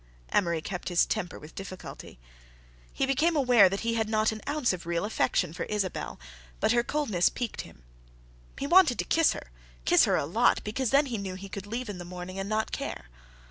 Amory kept his temper with difficulty. He became aware that he had not an ounce of real affection for Isabelle, but her coldness piqued him. He wanted to kiss her, kiss her a lot, because then he knew he could leave in the morning and not care.